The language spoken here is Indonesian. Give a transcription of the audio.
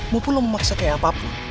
maupun lo memaksa kayak apapun